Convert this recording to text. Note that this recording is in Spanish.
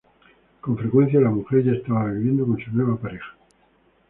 Con frecuencia la mujer ya estaba viviendo con su nueva pareja.